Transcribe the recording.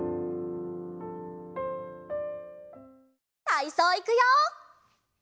たいそういくよ！